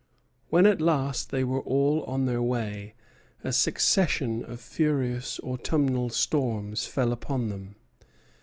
When at last they were all on their way, a succession of furious autumnal storms fell upon them.